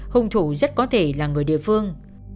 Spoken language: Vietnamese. hung thủ rất có thể là người địa phương